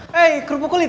hei kerupuk kulit